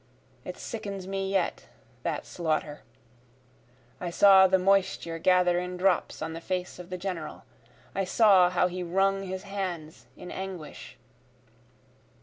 It sickens me yet, that slaughter! I saw the moisture gather in drops on the face of the General. I saw how he wrung his hands in anguish.